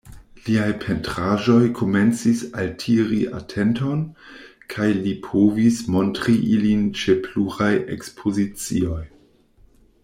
Liaj pentraĵoj komencis altiri atenton, kaj li povis montri ilin ĉe pluraj ekspozicioj.